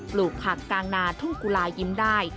ปลูกผักกลางนาทุ่งกุลายิ้มได้